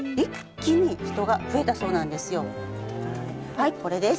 はいこれです。